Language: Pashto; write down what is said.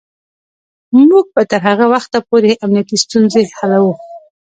موږ به تر هغه وخته پورې امنیتی ستونزې حلوو.